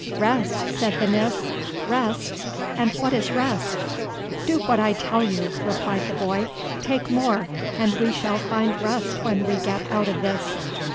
"Rest!" said the Nis. "Rest! and what is rest?" "Do what I tell you," replied the boy. "Take more, and we shall find rest when we get out of this."